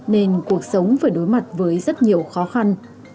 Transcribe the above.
nên cuộc sống phải đối mặt với rất nhiều khó khăn